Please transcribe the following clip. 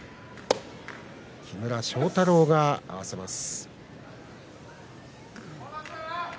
木村庄太郎が合わせます。